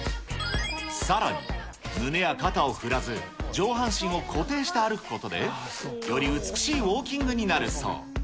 さらに胸や肩を振らず、上半身を固定して歩くことで、より美しいウォーキングになるそう。